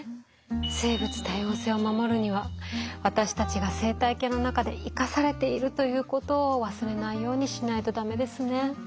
生物多様性を守るには私たちが生態系の中で生かされているということを忘れないようにしないと駄目ですね。